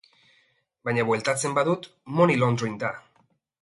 Baina bueltatzen badut, money laundering da.